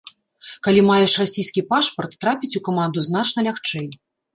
Калі маеш расійскі пашпарт, трапіць у каманду значна лягчэй.